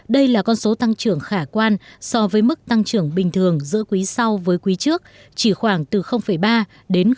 đây là con số tăng trưởng khả quan so với mức tăng trưởng bình thường giữa quý sau với quý trước chỉ khoảng từ ba đến năm